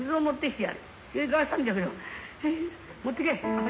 持ってけ！」